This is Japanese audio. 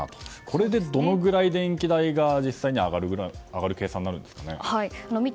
これでどのぐらい電気代が実際に上がる計算になりますか？